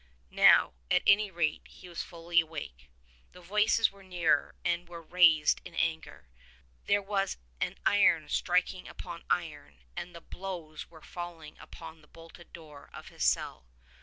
Now, at any rate, he was fully awake. The voices were nearer, and were raised in anger. There was iron striking upon iron, and the blows were falling upon the bolted door of his cell.